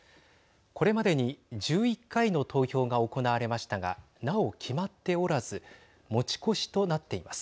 これまでに１１回の投票が行われましたがなお決まっておらず持ち越しとなっています。